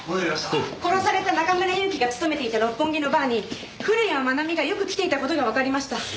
殺された中村祐樹が勤めていた六本木のバーに古谷愛美がよく来ていた事がわかりました。